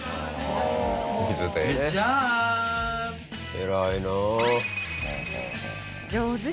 偉いなあ。